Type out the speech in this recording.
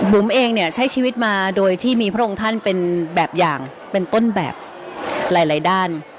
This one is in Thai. บุ๋มเองเนี่ยใช้ชีวิตมาโดยที่มีพระองค์ท่านเป็นแบบอย่างเป็นต้นแบบหลายด้าน